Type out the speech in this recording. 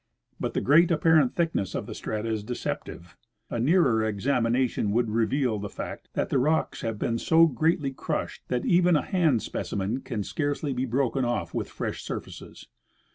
But' the great apparent thickness of the strata is deceptive: a nearer examina tion Avould reveal the fact that the rocks have been so greatly crushed that even a hand specimen can scarcely be broken off Avith fresh surfaces.